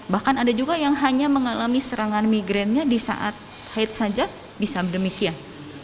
bahkan ada juga yang hanya mengalami serangan migrannya di saat haid saja bisa demikian